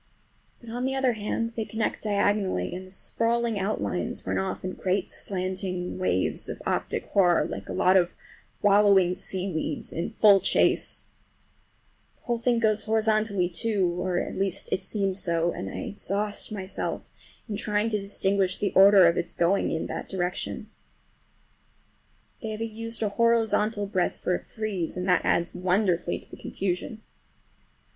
But, on the other hand, they connect diagonally, and the sprawling outlines run off in great slanting waves of optic horror, like a lot of wallowing seaweeds in full chase. The whole thing goes horizontally, too, at least it seems so, and I exhaust myself in trying to distinguish the order of its going in that direction. They have used a horizontal breadth for a frieze, and that adds wonderfully to the confusion.